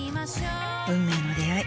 運命の出会い。